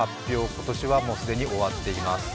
今年は既に終わっています。